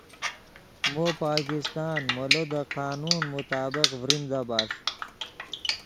مو پاکستان مولو دے قانون مطابق ڤریمدا بݰ